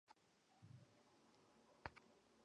他的工作大大推动了神经学和心理学领域的发展。